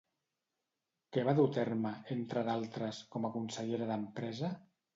Què va dur a terme, entre d'altres, com a consellera d'Empresa?